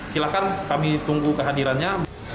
silakan kami tunggu kehadirannya